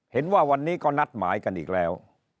เห็นว่าวันนี้ก็นัดหมายกันอีกแล้ว